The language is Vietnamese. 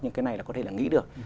nhưng cái này là có thể là nghĩa được